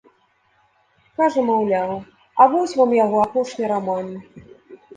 Кажа, маўляў, а вось вам яго апошні раман!